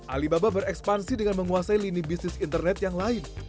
alibaba berekspansi dengan menguasai lini bisnis internet yang lain